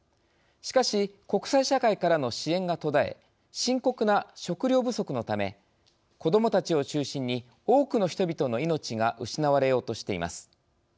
しかし、国際社会からの支援が途絶え深刻な食糧不足のため子どもたちを中心に多くの人々の命が失われようとしています。